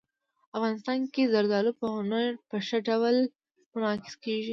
افغانستان کې زردالو په هنر کې په ښه ډول منعکس کېږي.